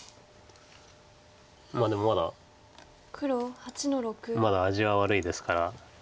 まあでもまだまだ味は悪いですから。